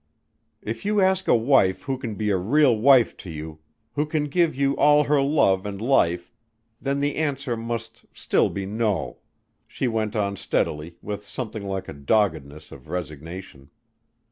"If you ask a wife who can be a real wife to you who can give you all her love and life then the answer must still be no," she went on steadily with something like a doggedness of resignation.